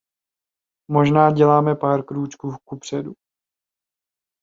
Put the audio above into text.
Možná děláme pár krůčků kupředu.